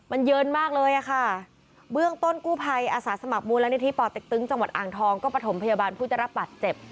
มันเยินมากเลยอ่ะค่ะเบื้องต้นกู้ภัยอาสาสมัครมูลนิธิป่อเต็กตึงจังหวัดอ่างทองก็ประถมพยาบาลผู้จะรับบัตรเจ็บ